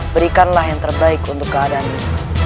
berikanlah yang terbaik untuk keadaan ini